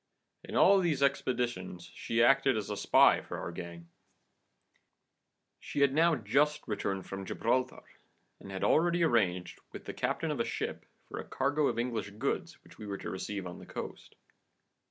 In all these expeditions she acted as spy for our gang, and she was the best that ever was seen. She had now just returned from Gibraltar, and had already arranged with the captain of a ship for a cargo of English goods which we were to receive on the coast.